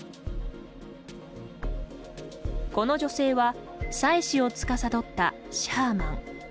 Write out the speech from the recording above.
この女性は祭しをつかさどったシャーマン。